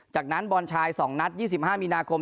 จากนั้นบอลชาย๒นัด๒๕มีนาคม